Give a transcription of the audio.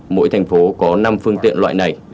mỗi thành phố có năm phương tiện loại này